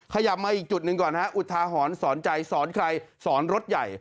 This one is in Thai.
ขยับมาอีกจุดหนึ่งก่อนฮะอุทาหรณ์สอนใจสอนใครสอนรถใหญ่